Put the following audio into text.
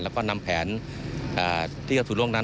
เราก็นำแผนที่เขาถูกร่วงนั้น